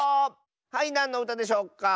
はいなんのうたでしょうか？